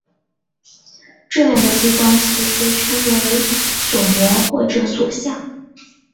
这样的激光器被称为锁模或者锁相。